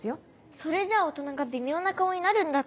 それじゃ大人が微妙な顔になるんだって。